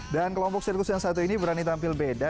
dan kelompok sirkus yang satu ini berani tampil beda